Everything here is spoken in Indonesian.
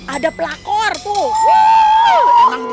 ada pelakor tuh